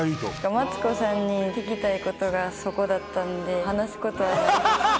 マツコさんに聞きたいことがそこだったんで話すことはないです。